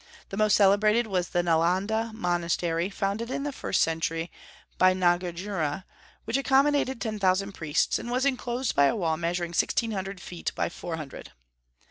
The most celebrated was the Nalanda monastery, founded in the first century by Nagarjuna, which accommodated ten thousand priests, and was enclosed by a wall measuring sixteen hundred feet by four hundred.